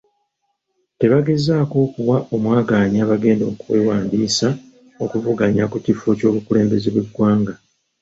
Tebagezako okuwa omwagaanya abagenda okwewandiisa okuvuganya ku kifo ky'obukulembeze bw'eggwanga.